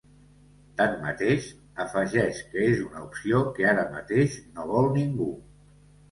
Tanmateix, afegeix que és una opció que ara mateix no vol ningú.